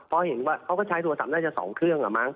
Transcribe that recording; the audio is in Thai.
เพราะเห็นว่าเขาก็ใช้โทรศัพท์น่าจะ๒เครื่อง